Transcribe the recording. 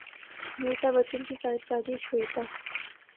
امیتابھبچن کی صاحبزادی شویتا